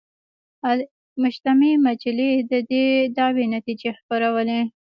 المجتمع مجلې د دې دعوې نتیجې خپرولې.